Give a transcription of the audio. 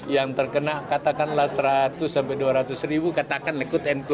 yang terkena katakanlah seratus sampai dua ratus ribu katakanlah